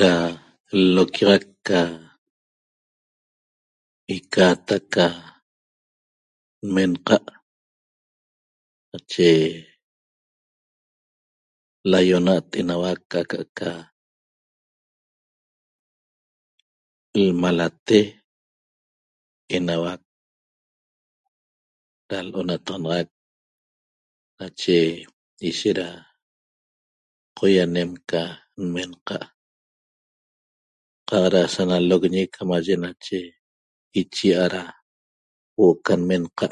Ra l-loquiaxac ca icatac ca nmenqa' nache laiona't enauac aca'aca lmalate enauac ra lo’onataxanaxac nache ishet ra qoianem ca nmenqa' qaq ra sanaloqñi camaye nache ichia' ra huo'o ca lmenqa'